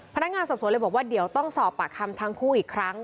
พนักงานสอบสวนเลยบอกว่าเดี๋ยวต้องสอบปากคำทั้งคู่อีกครั้ง